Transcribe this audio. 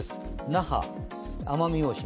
那覇、奄美大島。